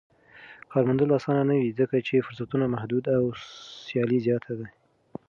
کار موندل اسانه نه وي ځکه چې فرصتونه محدود او سیالي زياته ده.